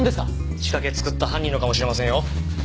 仕掛け作った犯人のかもしれませんよ。